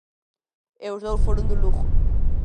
E os dous foron do Lugo.